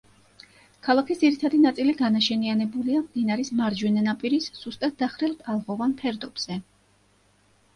ქალაქის ძირითადი ნაწილი განაშენიანებულია მდინარის მარჯვენა ნაპირის სუსტად დახრილ ტალღოვან ფერდობზე.